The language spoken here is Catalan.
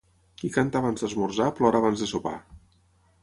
Qui canta abans d'esmorzar, plora abans de sopar.